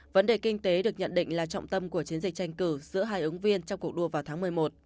vấn đề kinh tế được nhận định là trọng tâm của chiến dịch tranh cử giữa hai ứng viên trong cuộc đua vào tháng một mươi một